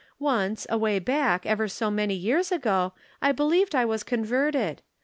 Once, away back, ever so many years ago, I believed I was converted.